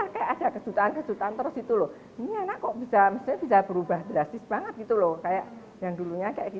kayaknya enggak sih enggak